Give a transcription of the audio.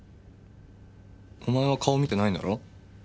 お前は顔見てないんだろ？